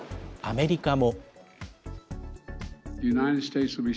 アメリカも。